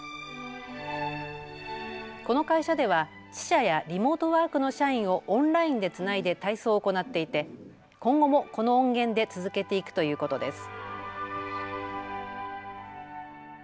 この会社では支社やリモートワークの社員をオンラインでつないで体操を行っていて今後もこの音源で続けていくということです。